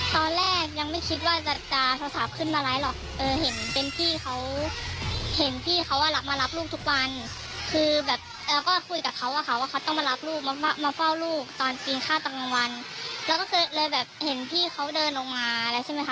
ที่ทีนี้ทีนี้ก็ไม่ได้ค